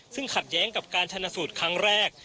ซึ่งขัดแย้งกับการชนะสูตรครั้งแรก